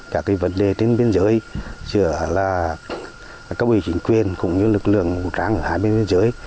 các vấn đề trên biên giới giữa các vị chính quyền cũng như lực lượng ngũ trang ở hai biên giới